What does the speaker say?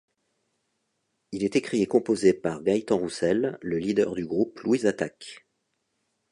Il est écrit et composé par Gaëtan Roussel, le leader du groupe Louise Attaque.